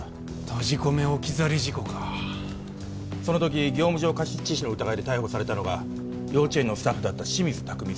閉じ込め置き去り事故かその時業務上過失致死の疑いで逮捕されたのが幼稚園のスタッフだった清水拓海